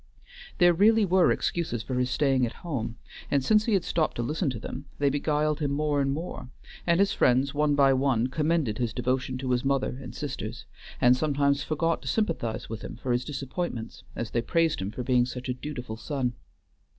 There really were excuses for his staying at home, and since he had stopped to listen to them they beguiled him more and more, and his friends one by one commended his devotion to his mother and sisters, and sometimes forgot to sympathize with him for his disappointments as they praised him for being such a dutiful son.